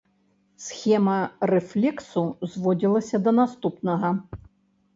Схема рэфлексу зводзілася да наступнага.